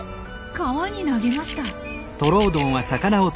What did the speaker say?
川に投げました。